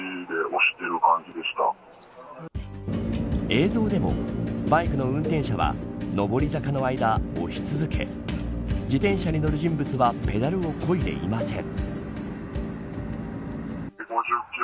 映像でもバイクの運転者は上り坂の間、押し続け自転車に乗る人物はペダルをこいでいません。